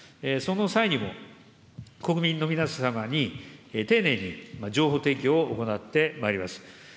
その際にも、国民の皆様に丁寧に情報提供を行ってまいります。